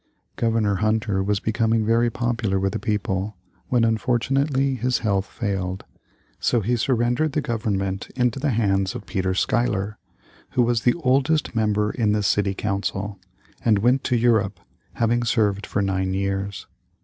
Governor Hunter was becoming very popular with the people, when unfortunately his health failed. So he surrendered the government into the hands of Peter Schuyler, who was the oldest member in the City Council, and went to Europe, having served for nine years.